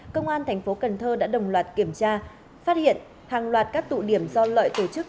công an thành phố cần thơ đã đồng loạt kiểm tra phát hiện hàng loạt các tụ điểm do lợi tổ chức